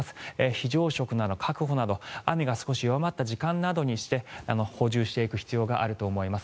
非常食の確保など雨が少し弱まった時間にして補充していく必要があると思います。